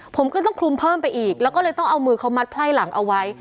ผมก็ต้องคลุมเพิ่มไปอีกแล้วก็เลยต้องเอามือเขามัดไพ่หลังเอาไว้